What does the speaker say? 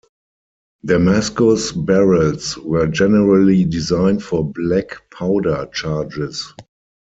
Damascus barrels were generally designed for black powder charges.